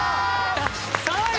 ３位！？